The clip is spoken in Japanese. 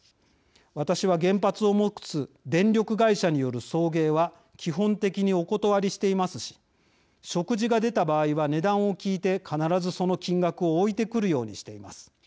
「私は原発を持つ電力会社による送迎は基本的に、お断りしていますし食事が出た場合は値段を聞いて必ず、その金額を置いてくるようにしています。